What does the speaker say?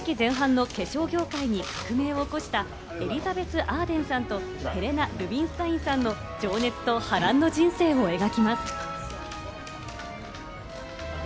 ミュージカルは２０世紀前半の化粧業界に革命を起こしたエリザベス・アーデンさんとヘレナ・ルビンスタインさんの情熱と波乱の人生を描きます。